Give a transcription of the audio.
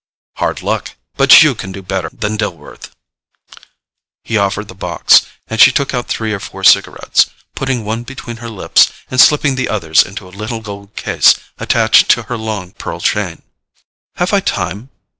"Hard luck—but you can do better than Dillworth." He offered the box, and she took out three or four cigarettes, putting one between her lips and slipping the others into a little gold case attached to her long pearl chain. "Have I time?